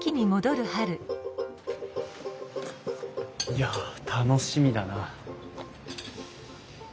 いや楽しみだな。